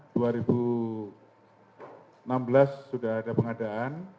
dua ribu enam belas sudah ada pengadaan